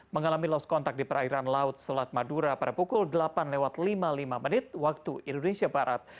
mengalami lost kontak di perairan laut selat madura pada pukul delapan lewat lima puluh lima menit waktu indonesia barat